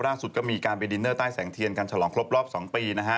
ล่าสุดก็มีการไปดินเนอร์ใต้แสงเทียนกันฉลองครบรอบ๒ปีนะฮะ